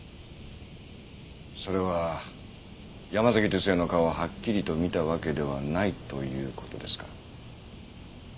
それは山崎哲也の顔をはっきりと見たわけではないという事ですか？